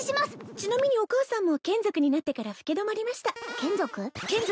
ちなみにお母さんも眷属になってから老け止まりました眷属？